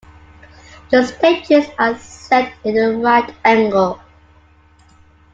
The stages are set in a right angle.